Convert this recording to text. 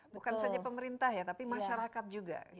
bukan saja pemerintah ya tapi masyarakat juga